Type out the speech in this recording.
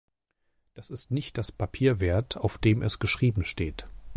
Das ist nicht das Papier wert, auf dem es geschrieben steht.